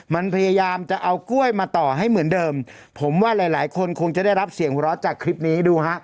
มันพยายามจะเอากล้วยมาต่อให้เหมือนเดิมผมว่าหลายหลายคนคงจะได้รับเสียงหัวเราะจากคลิปนี้ดูฮะ